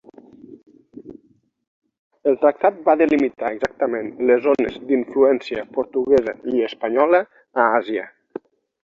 El tractat va delimitar exactament les zones d'influència portuguesa i espanyola a Àsia.